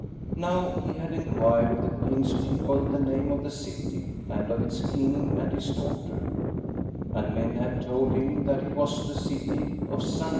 Now he had enquired of the King's people the name of the city and of its King and his daughter; and men had told him that it was the city of Sana'α.